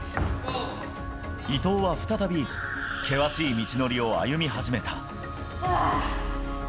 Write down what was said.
伊藤は再び、険しい道のりを歩み始めた。